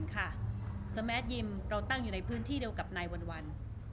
ทุกท่านเห็นค่ะสแมทยิมเราตั้งอยู่ในพื้นที่เดียวกับนายวันวัน